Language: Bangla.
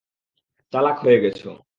চালাক হয়ে গেছো।